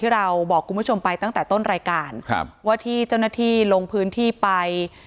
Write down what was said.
เราบอกคุณผู้ชมไปตั้งแต่ต้นรายการครับว่าที่เจ้าหน้าที่ลงพื้นที่ไป